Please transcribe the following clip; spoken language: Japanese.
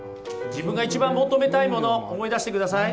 自分が一番求めたいもの思い出してください。